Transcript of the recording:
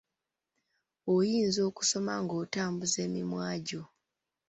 Oyinza okusoma ng'otambuza emimwa gyo.